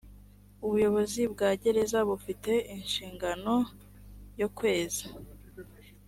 ubuyobozi bwa gereza bufite inshingano yo kweza